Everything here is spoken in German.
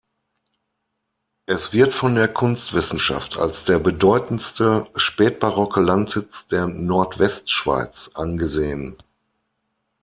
Es wird von der Kunstwissenschaft als der bedeutendste spätbarocke Landsitz der Nordwestschweiz angesehen.